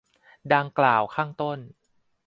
ดังกล่าวข้างต้น